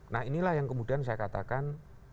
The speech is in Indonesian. nah inilah yang kemudian saya katakan